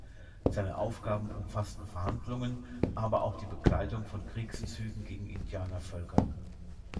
Seine Aufgaben umfassten Verhandlungen, aber auch die Begleitung von Kriegszügen gegen Indianervölker.